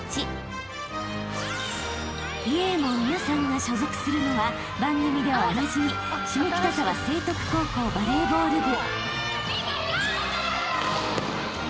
［イェーモンミャさんが所属するのは番組ではおなじみ下北沢成徳高校バレーボール部］